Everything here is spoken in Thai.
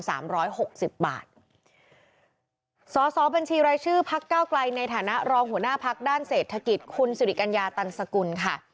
สสบัญชีรายชื่อพักเก้าไกลในฐานะรองหัวหน้าพักด้านเศรษฐกิจคุณสิริกัญญาตันสกุลค่ะ